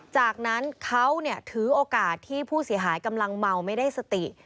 จากนั้นเขาถือโอกาสที่ผู้เสียหายกำลังเมาไม่ได้สติ